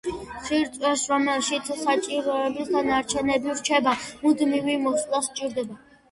ხშირ წვერს, რომელშიც საჭმლის ნარჩენები რჩება, მუდმივი მოვლა სჭირდება.